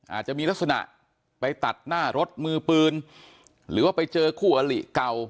อาจจะมีลักษณะไปตัดหน้ารถมือปืนหรือว่าไปเจอคู่อลิเก่า